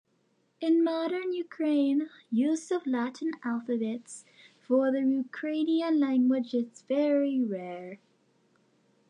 In modern Ukraine, use of Latin alphabets for the Ukrainian language is very rare.